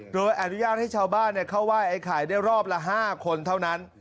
โดยอนุญาตให้ชาวบ้านเข้าไหว้ไอ้ไข่ได้รอบละ๕คนเท่านั้น